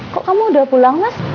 kok kamu udah pulang mas